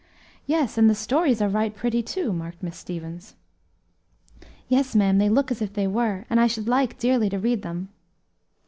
"Yes, and the stories are right pretty, too," remarked Miss Stevens. "Yes, ma'am, they look as if they were, and I should like dearly to read them."